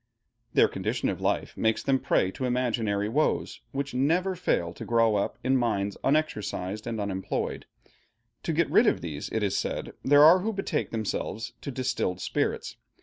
Their condition of life makes them a prey to imaginary woes, which never fail to grow up in minds unexercised and unemployed. To get rid of these, it is said, there are who betake themselves to distilled spirits.